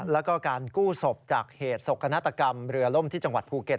แล้วก็การกู้ศพจากเหตุศกนาฏกรรมเรือล่มที่จังหวัดภูเก็ต